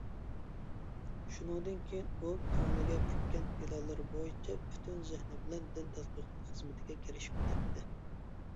شۇنىڭدىن كېيىن ئۇ كۆڭلىگە پۈككەن پىلانلىرى بويىچە پۈتۈن زېھنى بىلەن دىن تەتقىقات خىزمىتىگە كىرىشىپ كەتتى.